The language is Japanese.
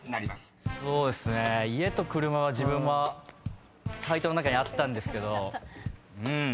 「家」と「車」は自分も解答の中にあったんですけど。